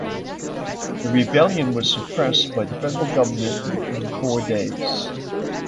The rebellion was suppressed by the federal government within four days.